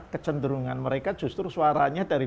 kecenderungan mereka justru suaranya dari